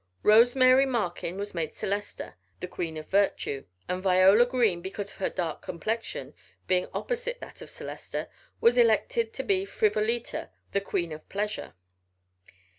Rose Mary Markin was made Celesta, the Queen of Virtue: and Viola Green, because of her dark complexion, being opposite that of Celesta, was elected to be Frivolita, the Queen of Pleasure.